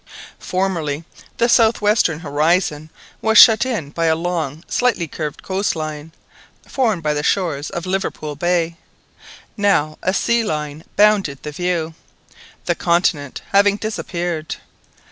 Formerly the south western horizon was shut in by a long slightly curved coast line, formed by the shores of Liverpool Bay. Now a sea line bounded the view, the continent having disappeared.